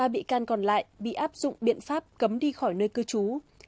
ba bị can còn lại bị áp dụng biện pháp cấm đi khỏi nơi cư trú